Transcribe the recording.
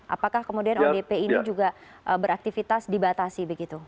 apakah kemudian odp ini juga beraktifitas dibatasi